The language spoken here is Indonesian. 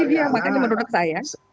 ini yang makanya menurut saya